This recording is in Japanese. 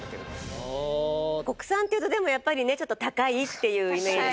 国産っていうとでもやっぱりねちょっと高いっていうイメージで。